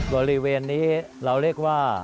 บริเวณนี้เราเรียกว่า